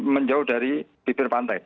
menjauh dari bibir pantai